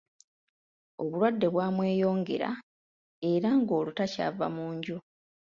Obulwadde bwamweyongera era ng’olwo takyava mu nju.